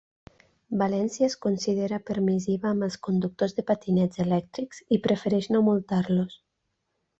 València es considera permissiva amb els conductors de patinets elèctrics i prefereix no multar-los